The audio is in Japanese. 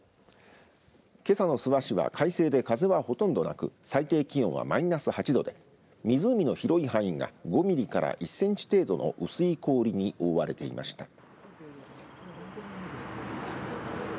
けさの諏訪市は快晴で風はほとんどなく最低気温は、マイナス８度で湖の広い範囲が５ミリから１センチ程度の薄い氷に覆われていました。